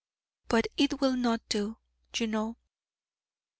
But it will not do, you know.